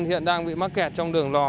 hiện đang bị mắc kẹt trong đường lò